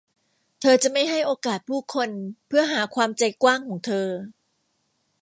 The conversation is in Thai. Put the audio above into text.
เธอจะไม่ให้โอกาสผู้คนเพื่อหาความใจกว้างของเธอ